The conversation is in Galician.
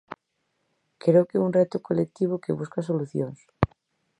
Creo que é un reto colectivo que busca solucións.